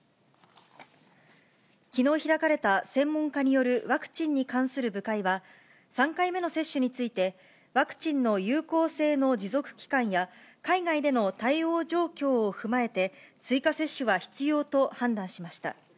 きのう開かれた専門家によるワクチンに関する部会は、３回目の接種について、ワクチンの有効性の持続期間や、海外での対応状況を踏まえて、追加接種は必要と判断しました。